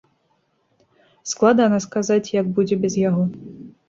Складана сказаць, як будзе без яго.